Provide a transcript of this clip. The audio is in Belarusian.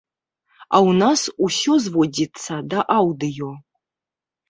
А ў нас усё зводзіцца да аўдыё.